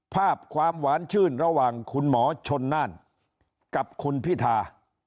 ภาพความหวานชื่นระหว่างคุณหมอชนน่านกับคุณพิธา